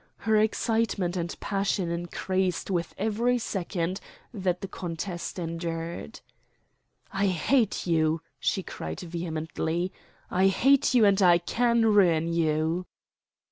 Her excitement and passion increased with every second that the contest endured. "I hate you!" she cried vehemently. "I hate you, and I can ruin you!"